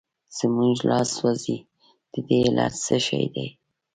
زموږ لاس سوځي د دې علت څه شی دی؟